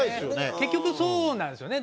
結局そうなんですよね。